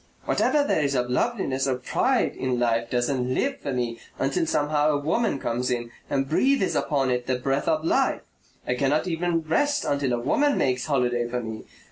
Whatever there is of loveliness or pride in life doesn't LIVE for me until somehow a woman comes in and breathes upon it the breath of life. I cannot even rest until a woman makes holiday for me.